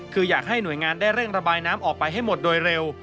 คืออยากให้หน่วยงานได้เร่งระบายน้ำออกไปให้หมดโดยเร็ว